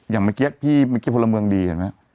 อย่างเมื่อกี้พี่เมื่อกี้พลเมืองดีเห็นไหม